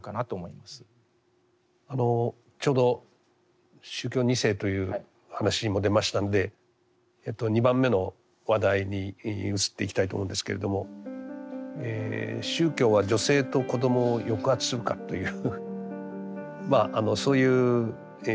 ちょうど宗教２世という話も出ましたんで２番目の話題に移っていきたいと思うんですけれども「宗教は女性と子どもを抑圧するか？」というそういう問いをですね